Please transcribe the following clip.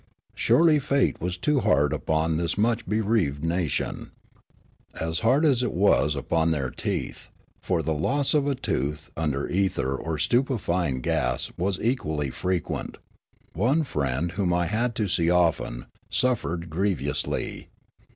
Surely fate was too hard upon this much bereaved nation. As hard was it upon their teeth ; for the loss of a tooth under ether or stupefying gas was equally frequent ; one friend, whom I had to see often, suffered grievously.